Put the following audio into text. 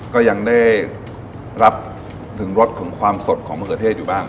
ก็ยังได้รับถึงรสของความสดของมะเขือเทศอยู่บ้าง